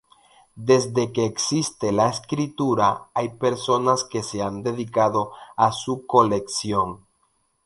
Desde que existe la escritura hay personas que se han dedicado a su colección.